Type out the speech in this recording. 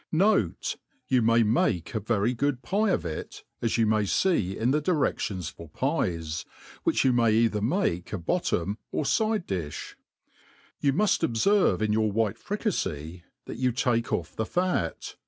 Note, You may make a very good pie of it, as you may fee in the diredions for pies, which you may either make a bot» torn or fide di(h. '. You muft obierve in your white fricafey that you take off the fat.